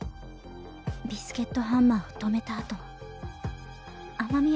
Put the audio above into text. ビスケットハンマーを止めたあとあと３体。